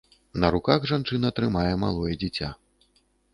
На руках жанчына трымае малое дзіця.